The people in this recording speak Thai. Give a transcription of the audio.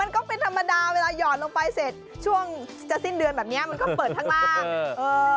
ก็เป็นธรรมดาเวลาหยอดลงไปเสร็จช่วงจะสิ้นเดือนแบบนี้มันก็เปิดข้างล่าง